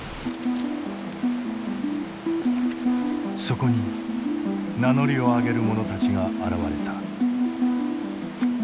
そこに名乗りを上げる者たちが現れた。